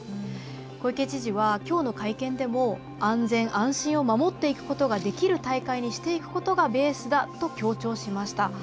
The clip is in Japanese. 小池知事は、きょうの会見でも安全・安心を守っていくことができる大会にしていくことがベースだと強調しました。